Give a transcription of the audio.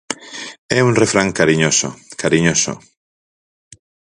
É un refrán cariñoso, cariñoso.